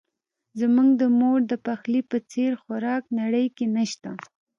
زما د مور دپخلی په څیر خوراک نړۍ کې نه شته